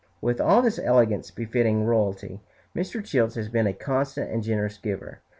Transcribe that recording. With all this elegance, befitting royalty, Mr. Childs has been a constant and generous giver.